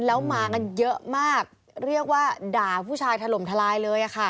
แล้วมากันเยอะมากเรียกว่าด่าผู้ชายถล่มทลายเลย